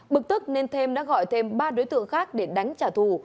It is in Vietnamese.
bực tức nên thêm đã gọi thêm ba đối tượng khác để đánh trả thù